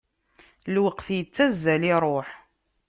Lweqt ittazzal iruḥ.